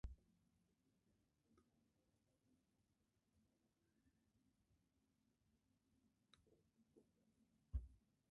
Krasny Mayak is the nearest rural locality.